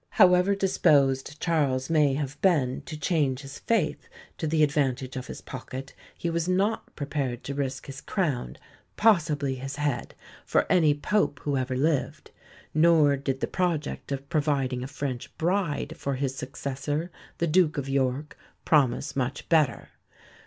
However disposed Charles may have been to change his faith to the advantage of his pocket, he was not prepared to risk his crown, possibly his head, for any Pope who ever lived; nor did the project of providing a French bride for his successor, the Duke of York, promise much better.